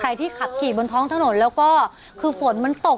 เราขี่บนท้องถนนแล้วก็คือฝนมันตก